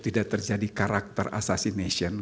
tidak terjadi karakter assashination